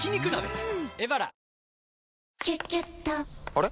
あれ？